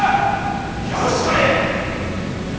やるしかねぇ。